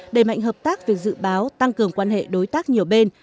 đẩy mạnh hợp tác về dự báo tăng cường quan hệ đối tác nhiều bên